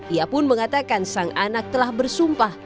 ia pun mengatakan sang anak telah bersumpah